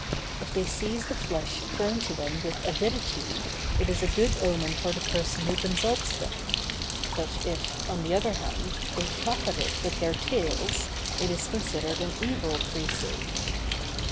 If they seize the flesh thrown to them with avidity, it is a good omen for the person who consults them; but if, on the other hand, they flap at it with their tails, it is considered an evil presage.